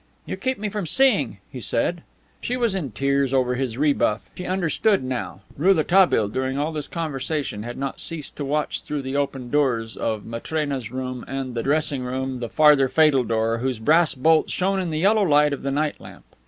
"You keep me from seeing," he said. She was in tears over his rebuff. She understood now. Rouletabille during all this conversation had not ceased to watch through the open doors of Matrena's room and the dressing room the farther fatal door whose brass bolt shone in the yellow light of the night lamp.